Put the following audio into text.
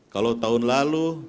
kalau tahun lalu